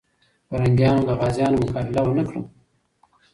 پرنګیان د غازيانو مقابله ونه کړه.